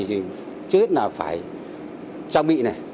trước hết là phải trang bị này